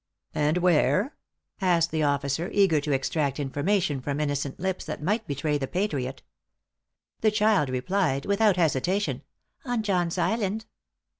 "And where?" asked the officer, eager to extract information from innocent lips that might betray the patriot. The child replied without hesitation, "On John's Island."